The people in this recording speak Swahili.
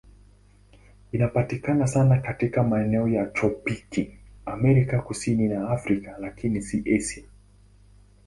Inapatikana sana katika maeneo ya tropiki Amerika Kusini na Afrika, lakini si Asia.